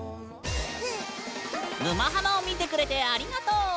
「沼ハマ」を見てくれてありがとう！